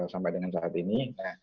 sampai dengan saat ini